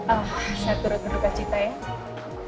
ah saya turut turut ke cita ya